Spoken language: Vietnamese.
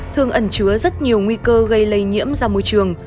thường ẩn chứa rất nhiều nguy cơ gây lây nhiễm ra môi trường